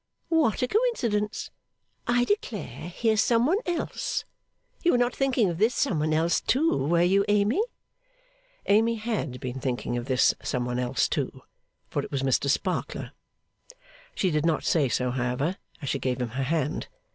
What a coincidence! I declare here's some one else. You were not thinking of this some one else too; were you, Amy?' Amy had been thinking of this some one else too; for it was Mr Sparkler. She did not say so, however, as she gave him her hand.